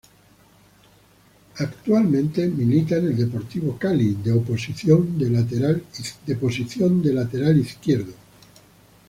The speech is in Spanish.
Actualmente milita en el Deportivo Cali de posición de Lateral Izquierdo.